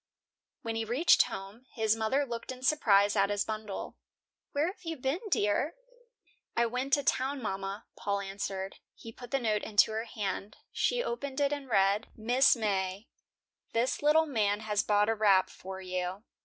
When he reached home, his mother looked in surprise at his bundle. "Where have you been, dear?" "I went to town, mama," Paul answered. He put the note into her hand. She opened it and read: "MRS. MAY: This little man has bought a wrap for you.